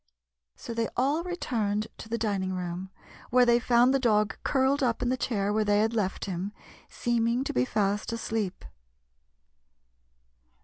So they all returned to the dining room, where they found the dog curled up in the chair where they had left him, and seeming to be fast asleep.